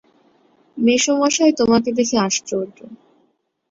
মেসোমশায় তোমাকে দেখে আশ্চর্য।